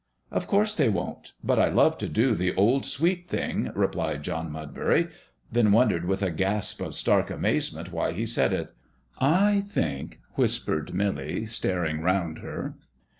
"Of course they won't. But I love to do the old, sweet thing," replied John Mudbury then wondered with a gasp of stark amazement why he said it. "I think " whispered Milly, staring round her.